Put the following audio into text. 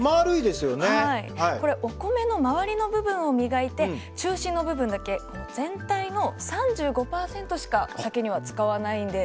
これお米の周りの部分を磨いて中心の部分だけ全体の３５％しかお酒には使わないんです。